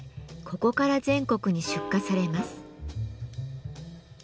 ここから全国に出荷されます。